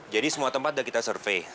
jadi semua tempat udah kita survei